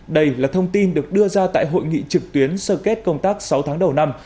đây là thông tin được đưa ra tại hội nghị trực tuyến sơ kết công tác sáu tháng đầu năm